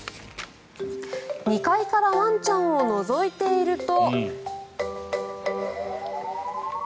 ２階からワンちゃんをのぞいていると。